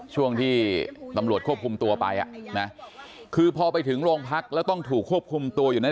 ช่วงที่ตำรวจควบคุมตัวไปอ่ะนะคือพอไปถึงโรงพักแล้วต้องถูกควบคุมตัวอยู่ใน